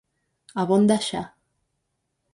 Abonda xa.